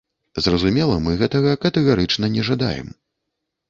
Зразумела, мы гэтага катэгарычна не жадаем.